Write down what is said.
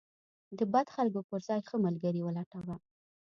د بد خلکو پر ځای ښه ملګري ولټوه.